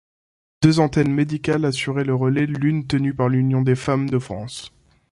Deux antennes médicales assuraient le relais l'une tenue par l'Union des femmes de France.